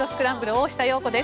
大下容子です。